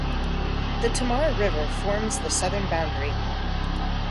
The Tamar River forms the southern boundary.